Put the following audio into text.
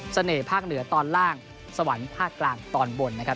ภาคเหนือตอนล่างสวรรค์ภาคกลางตอนบนนะครับ